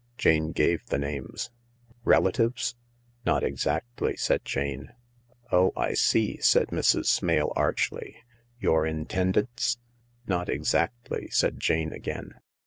Jane gave the names. " Relatives ?" "Not exactly," said Jane. " Oh, I see," said Mrs. Smale archly. " Your intendeds ?" "Not exactly," said Jane again.